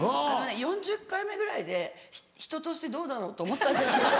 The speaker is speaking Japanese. ４０回目ぐらいで人としてどうだろう？と思ったんですけど。